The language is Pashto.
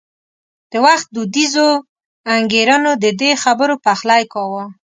د وخت دودیزو انګېرنو د دې خبرو پخلی کاوه.